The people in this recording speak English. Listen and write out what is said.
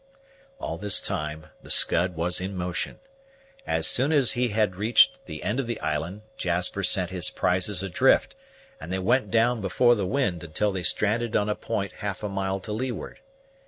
All this time the Scud was in motion. As soon as he had reached the end of the island, Jasper sent his prizes adrift; and they went down before the wind until they stranded on a point half a mile to leeward.